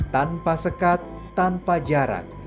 tanpa sekat tanpa jarak